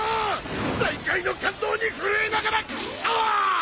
再会の感動に震えながら来た‼